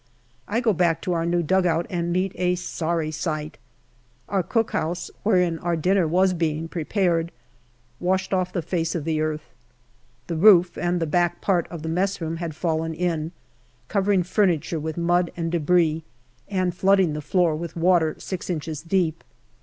I go back to our new dugout and meet a sorry sight. Our cookhouse, wherein our dinner was being prepared, washed off the face of the earth. The roof and the back part of the messroom had fallen in, covering furniture with mud and debris, and flooding the floor with water 6 inches deep.